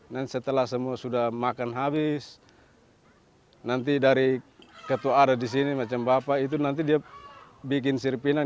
dan setelah semua sudah makan habis nanti dari ketua ada di sini macam bapak itu nanti dia bikin siripinang